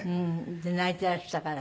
で泣いていらしたから。